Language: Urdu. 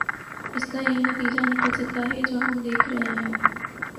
اس کا یہی نتیجہ نکل سکتا ہے جو ہم دیکھ رہے ہیں۔